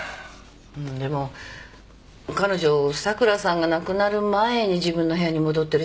でも彼女桜さんが亡くなる前に自分の部屋に戻ってるし。